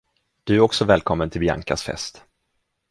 Du är också välkommen till Biancas fest.